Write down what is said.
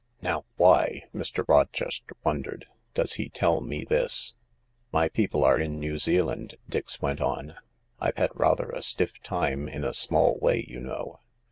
"Now why," Mr. Rochester wondered, "does he tell me this ?"" My people are in New Zealand," Dix went on. " I've had rather a stiff time, in a small way, you know.